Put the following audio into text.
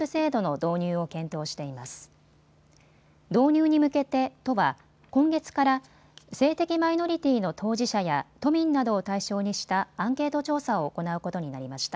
導入に向けて都は今月から性的マイノリティーの当事者や都民などを対象にしたアンケート調査を行うことになりました。